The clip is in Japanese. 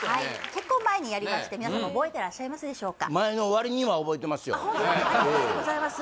結構前にやりまして皆様覚えてらっしゃいますでしょうか